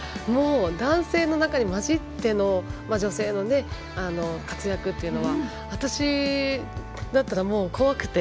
男性の中に交じっての女性の活躍というのは私だったら怖くて。